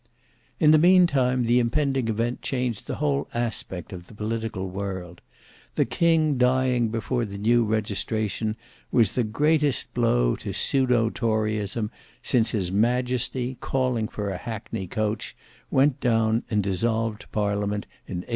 In the meantime the impending event changed the whole aspect of the political world. The king dying before the new registration was the greatest blow to pseudo toryism since his majesty, calling for a hackney coach, went down and dissolved parliament in 1831.